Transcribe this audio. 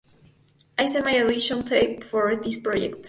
I sent my 'Audition Tape' for this project.